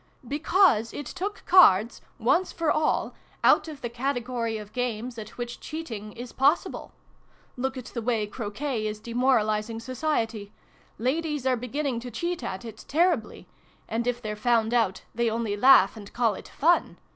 " Because it took Cards, once for all, out of the category of games at which cheating is pos sible. Look at the way Croquet is demoralising Society. Ladies are beginning to cheat at it, terribly : and, if they're found out, they only laugh, and call it fun.